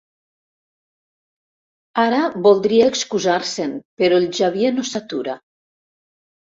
Ara voldria excusar-se'n però el Xavier no s'atura.